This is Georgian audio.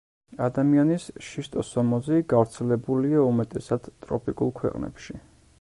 ადამიანის შისტოსომოზი გავრცელებულია უმეტესად ტროპიკულ ქვეყნებში.